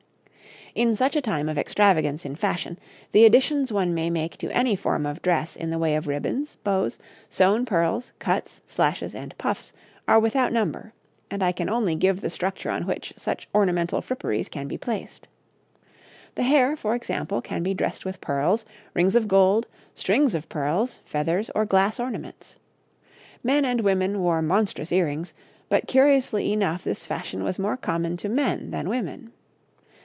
[Illustration: {Two women of the time of Elizabeth}] In such a time of extravagance in fashion the additions one may make to any form of dress in the way of ribbons, bows, sewn pearls, cuts, slashes, and puffs are without number, and I can only give the structure on which such ornamental fripperies can be placed. The hair, for example, can be dressed with pearls, rings of gold, strings of pearls, feathers, or glass ornaments. Men and women wore monstrous earrings, but curiously enough this fashion was more common to men than women.